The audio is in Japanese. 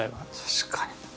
確かに。